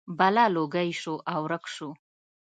بلا لوګی شو او ورک شو.